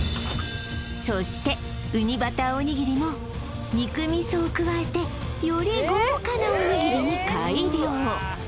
そしてウニバターおにぎりも肉味噌を加えてより豪華なおにぎりに改良